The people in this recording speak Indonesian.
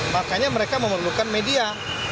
makanya mereka memerlukan media